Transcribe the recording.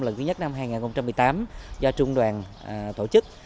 lần thứ nhất năm hai nghìn một mươi tám do trung đoàn tổ chức